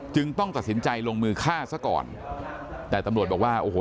ต้องตัดสินใจลงมือฆ่าซะก่อนแต่ตำรวจบอกว่าโอ้โห